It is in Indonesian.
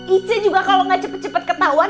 itu juga kalau gak cepet cepet ketahuan